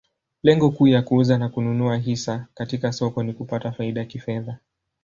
Lengo kuu ya kuuza na kununua hisa katika soko ni kupata faida kifedha.